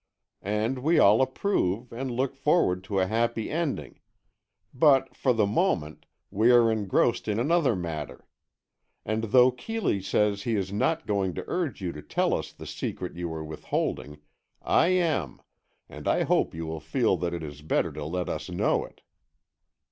And we all approve, and look forward to a happy ending. But for the moment, we are engrossed in another matter. And though Keeley says he is not going to urge you to tell us the secret you are withholding, I am, and I hope you will feel that it is better to let us know it."